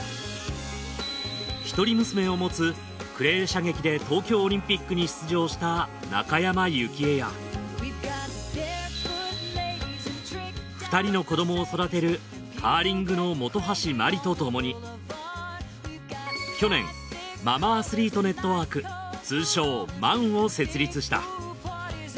一人娘を持つクレー射撃で東京オリンピックに出場した中山由起枝や２人の子どもを育てるカーリングの本橋麻里とともに去年ママアスリートネットワーク通称ＭＡＮを設立した。